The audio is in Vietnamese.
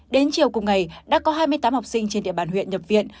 đến chiều cùng ngày đã có hai mươi tám học sinh trên địa bàn huyện nhập viện